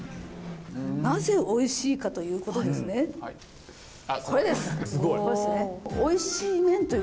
なぜおいしいかということですねこれです！